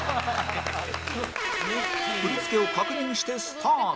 振り付けを確認してスタート